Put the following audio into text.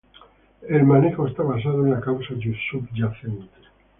El manejo está basado en la causa subyacente.